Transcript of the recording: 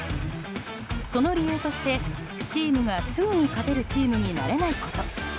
その理由としてチームがすぐに勝てるチームになれないこと。